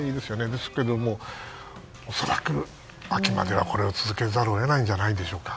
ですけども恐らく、秋まではこれを続けざるを得ないんじゃないでしょうか。